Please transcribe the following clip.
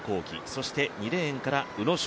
そして２レーンから宇野勝